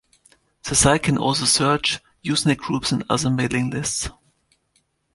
The site can also search Usenet groups and other mailing lists.